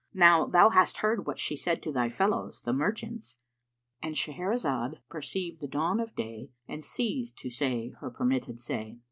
Now thou hast heard what she said to thy fellows, the merchants,"—And Shahrazad perceived the dawn of day and ceased to say her permitted say.